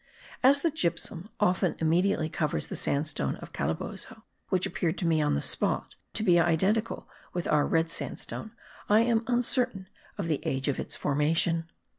As the gypsum often immediately covers the sandstone of Calabozo, which appeared to me, on the spot, to be identical with our red sandstone, I am uncertain of the age of its formation.